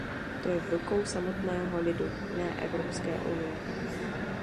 To je v rukou samotného lidu, ne Evropské unie.